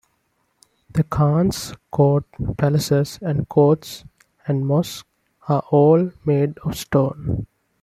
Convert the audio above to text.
The khan's court, palaces, and courts, and mosques are all made of stone.